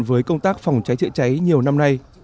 với công tác phòng cháy chữa cháy nhiều năm nay